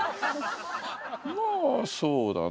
まあそうだな。